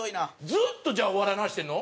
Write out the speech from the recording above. ずっとじゃあお笑いの話してるの？